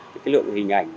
thì cái lượng hình ảnh